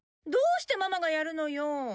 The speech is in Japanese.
どうしてママがやるのよ！